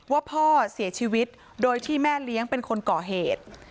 ว่าพ่อเสียชีวิตโดยที่แม่เลี้ยงเป็นคนก่อเหตุ